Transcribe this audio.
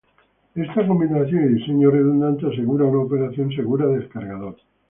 Esta combinación y diseño redundante asegura una operación segura del cargador.